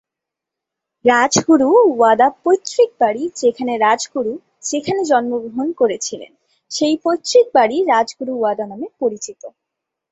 রাজগুরু ওয়াদা পৈত্রিক বাড়ি যেখানে রাজগুরু যেখানে জন্মগ্রহণ করেছিলেন সেই পৈতৃক বাড়ি রাজগুরু ওয়াদা নামে পরিচিত।